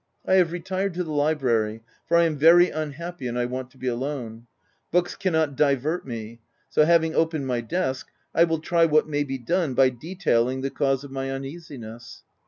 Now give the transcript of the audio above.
I have retired to the library, for I am very unhappy, and I want to be alone. Books cannot divert me ; so having opened my desk, I will try what may be done by detailing the cause of my un easiness.